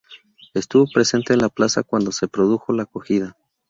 Estuvo presente en la plaza cuando se produjo la cogida.